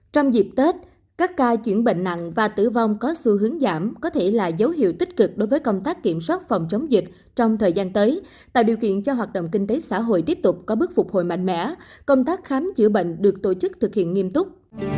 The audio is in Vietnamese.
trong dịp tết các ca chuyển bệnh nặng và tử vong có xu hướng giảm có thể là dấu hiệu tích cực đối với công tác kiểm soát phòng chống dịch trong thời gian tới tạo điều kiện cho hoạt động kinh tế xã hội tiếp tục có bước phục hồi mạnh mẽ công tác khám chữa bệnh được tổ chức thực hiện nghiêm túc